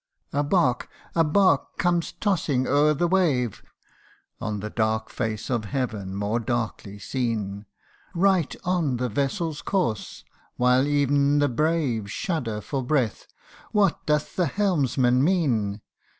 A bark a bark comes tossing o'er the wave, (On the dark face of heaven, more darkly seen) Right on the vessel's course, while ev'n the brave Shudder for breath ; what doth the helmsman mean